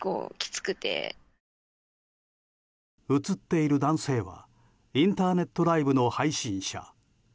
映っている男性はインターネットライブの配信者。